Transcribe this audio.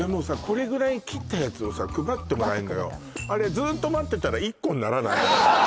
これぐらい切ったやつを配ってもらえんのよあれずっと待ってたら１個にならない？